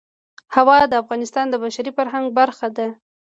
هوا د افغانستان د بشري فرهنګ برخه ده.